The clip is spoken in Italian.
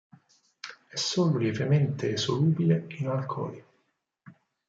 È solo lievemente solubile in alcoli.